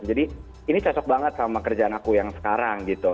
jadi ini cocok banget sama kerjaan aku yang sekarang gitu